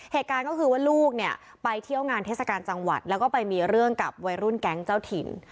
เหตุการณ์ก็คือว่าลูกเนี่ยไปเที่ยวงานเทศกาลจังหวัดแล้วก็ไปมีเรื่องกับวัยรุ่นแก๊งเจ้าถิ่น